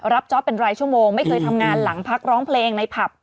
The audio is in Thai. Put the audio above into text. จ๊อปเป็นรายชั่วโมงไม่เคยทำงานหลังพักร้องเพลงในผับ